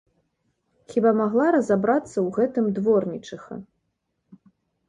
Хіба магла разабрацца ў гэтым дворнічыха!